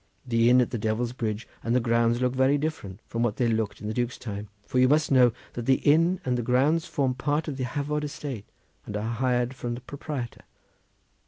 The inn at the Devil's Bridge and the grounds look very different from what they looked in the Duke's time, for you must know that the inn and the grounds form part of the Hafod estate, and are hired from the proprietor."